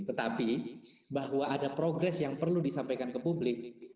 tetapi bahwa ada progres yang perlu disampaikan ke publik